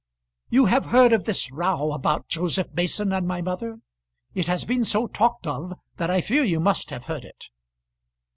"You have heard of this row about Joseph Mason and my mother? It has been so talked of that I fear you must have heard it."